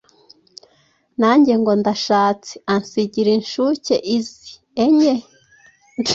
nange ngo ndashatse ansigira inshuke izi, enye